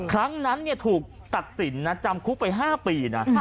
ครั้งนั้นถูกตัดสินนะจำคุกไป๕ปีนะ